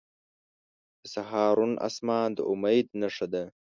• د سهار روڼ آسمان د امید نښه ده.